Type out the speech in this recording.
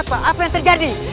apa apa yang terjadi